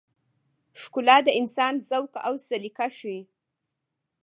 ښکلا د انسان ذوق او سلیقه ښيي.